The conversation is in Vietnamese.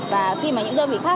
và khi mà những đơn vị khác